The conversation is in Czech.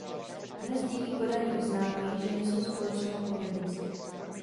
Dnes díky Kodani uznávají, že nesou společnou odpovědnost.